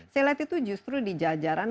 saya lihat itu justru di jajaran